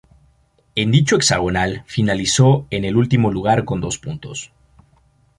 En dicho hexagonal finalizó en el último lugar con dos puntos.